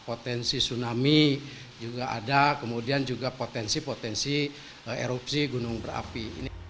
potensi tsunami juga ada kemudian juga potensi potensi erupsi gunung berapi